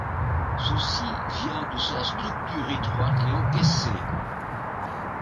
Ceci vient de sa structure étroite et encaissée.